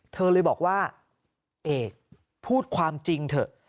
เธอเลยบอกว่าเอกพูดความจริงเถอะ